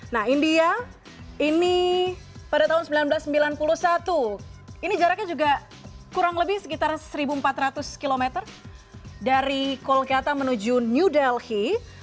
nah india ini pada tahun seribu sembilan ratus sembilan puluh satu ini jaraknya juga kurang lebih sekitar satu empat ratus km dari kolkata menuju new delhi